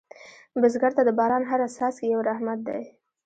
بزګر ته د باران هره څاڅکې یو رحمت دی